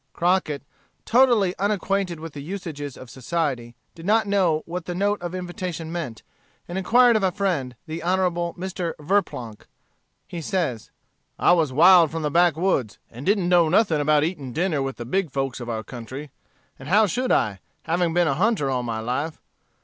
Crockett, totally unacquainted with the usages of society, did not know what the note of invitation meant, and inquired of a friend, the Hon. Mr. Verplanck. He says: "I was wild from the backwoods, and didn't know nothing about eating dinner with the big folks of our country. And how should I, having been a hunter all my life?